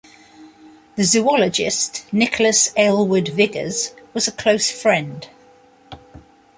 The zoologist Nicholas Aylward Vigors was a close friend.